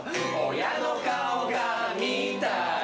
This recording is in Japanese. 親の顔が見たい。